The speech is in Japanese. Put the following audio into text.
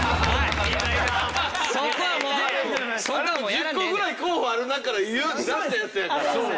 １０個ぐらい候補ある中から言うって出したやつやから。